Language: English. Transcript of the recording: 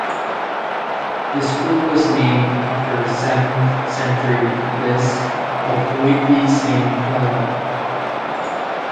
The School was named after the seventh century Abbess of Whitby Saint Hilda.